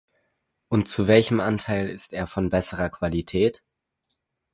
Und zu welchem Anteil ist er von besserer Qualität?